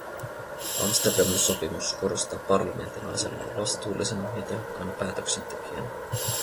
Amsterdamin sopimus korostaa parlamentin asemaa vastuullisena ja tehokkaana päätöksentekijänä.